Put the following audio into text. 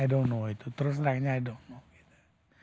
ya i don t know itu terus lainnya i don t know gitu